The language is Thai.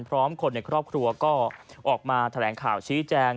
พร้อมคนในครอบครัวก็ออกมาแถลงข่าวชี้แจง